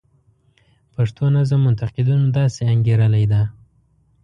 پښتو نظم منتقدینو داسې انګیرلې ده.